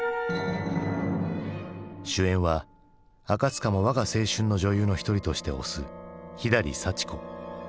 主演は赤塚も我が青春の女優の一人として推す左幸子。